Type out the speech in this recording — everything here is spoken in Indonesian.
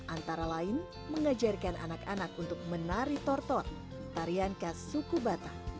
antara lain mengajarkan anak anak untuk menari tortor tarian khas suku batak